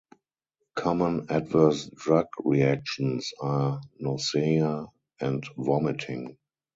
Common adverse drug reactions are nausea and vomiting.